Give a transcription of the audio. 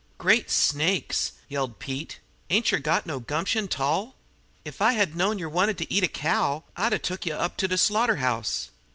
"Great snakes!" yelled Pete. "Ain't yer got no gumption 't all? Ef I had knowed yer wanted ter eat a cow, I'd 'a' took you up to de slaughter house!